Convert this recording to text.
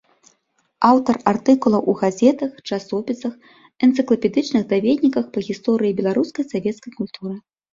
Аўтар артыкулаў у газетах, часопісах, энцыклапедычных даведніках па гісторыі беларускай савецкай культуры.